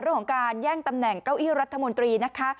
เรื่องของการแย่งตำแหน่งเก้าอี้รัฐมนตรีนะคะ